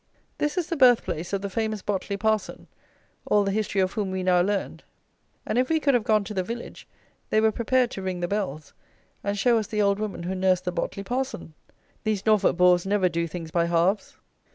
This is the birth place of the famous Botley Parson, all the history of whom we now learned, and, if we could have gone to the village, they were prepared to ring the bells, and show us the old woman who nursed the Botley Parson! These Norfolk baws never do things by halves.